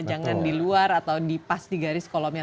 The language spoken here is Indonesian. jangan di luar atau dipas di garis kolomnya